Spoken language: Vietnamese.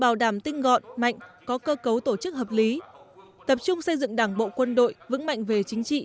bảo đảm tinh gọn mạnh có cơ cấu tổ chức hợp lý tập trung xây dựng đảng bộ quân đội vững mạnh về chính trị